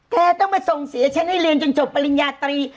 แกต้องมาส่งเสียฉันให้เรียนจนจบปริญญาตรี